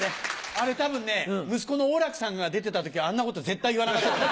あれ多分ね息子の王楽さんが出てた時はあんなこと絶対言わなかった。